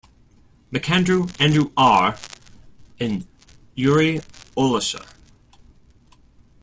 MacAndrew, Andrew R., and Yuri Olesha.